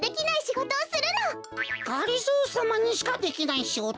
がりぞーさまにしかできないしごと？